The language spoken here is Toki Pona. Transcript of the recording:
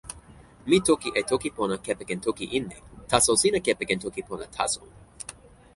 mi toki e toki pona kepeken toki Inli, taso sina kepeken toki pona taso.